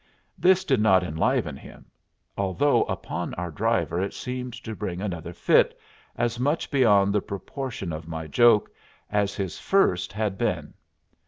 This did not enliven him, although upon our driver it seemed to bring another fit as much beyond the proportion of my joke as his first had been.